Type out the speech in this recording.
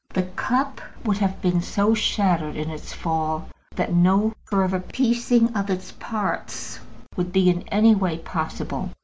The cup would have been so shattered in its fall that no further piecing of its parts would be in any way possible.